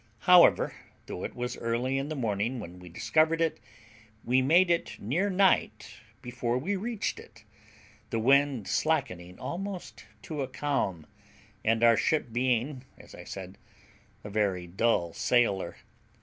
However, though it was early in the morning when we discovered it, we made it near night before we reached it, the wind slackening almost to a calm, and our ship being, as I said, a very dull sailer.